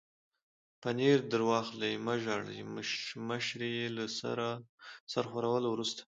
پنیر در واخلئ، مه ژاړئ، مشرې یې له سر ښورولو وروسته.